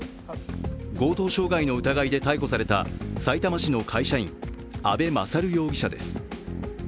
強盗傷害の疑いで逮捕されたさいたま市の会社員阿部勝容疑者です。